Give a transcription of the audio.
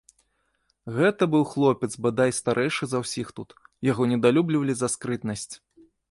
Гэта быў хлопец бадай старэйшы за ўсіх тут, яго недалюблівалі за скрытнасць.